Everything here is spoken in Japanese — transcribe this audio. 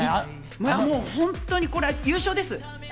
本当にこれは優勝です。